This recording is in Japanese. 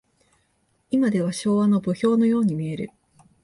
いまでは昭和の墓標のように見える。